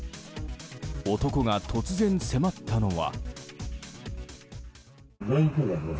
男が突然、迫ったのは。